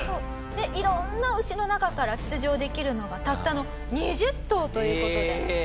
色んな牛の中から出場できるのがたったの２０頭という事で。